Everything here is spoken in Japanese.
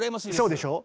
そうでしょ。